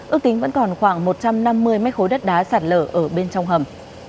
ước tính vẫn còn khoảng một trăm năm mươi mấy khối đất đá sản lở ở bên trong hầm